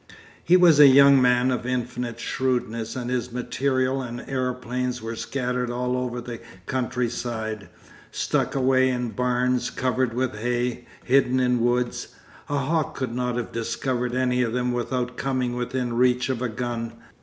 He was a young man of infinite shrewdness, and his material and aeroplanes were scattered all over the country side, stuck away in barns, covered with hay, hidden in woods. A hawk could not have discovered any of them without coming within reach of a gun.